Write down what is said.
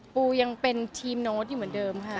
ปูยังเป็นทีมโน้ตอยู่เหมือนเดิมค่ะ